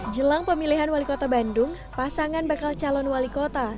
jelang pemilihan wali kota bandung pasangan bakal calon wali kota